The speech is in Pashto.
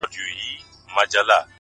• سرې لا څه ته وا د وینو فوارې سوې,